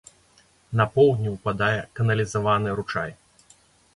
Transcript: На поўдні ўпадае каналізаваны ручай.